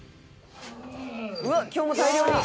「うわっ今日も大量に」